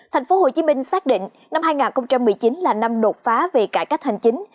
thành phố hồ chí minh xác định năm hai nghìn một mươi chín là năm nột phá về cải cách hành chính